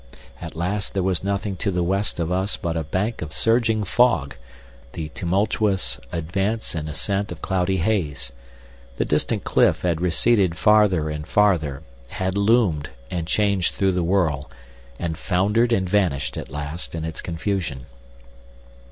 At last there was nothing to the west of us but a bank of surging fog, the tumultuous advance and ascent of cloudy haze. The distant cliff had receded farther and farther, had loomed and changed through the whirl, and foundered and vanished at last in its confusion.